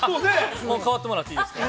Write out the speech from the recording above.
◆もう代わってもらっていいですか。